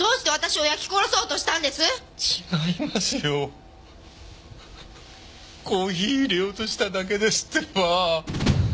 コーヒー淹れようとしただけですってば。